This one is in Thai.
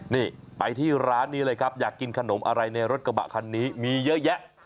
นี่ไปที่ร้านนี้เลยครับอยากกินขนมอะไรในรถกระบะคันนี้มีเยอะแยะ